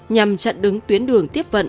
nhằm chặn đứng tuyến đường tiếp vận